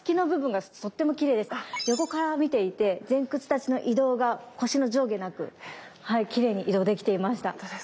横から見ていて前屈立ちの移動が腰の上下なくきれいに移動できていました。